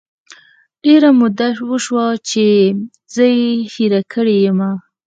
ډیره موده وشوه چې زه یې هیره کړی یمه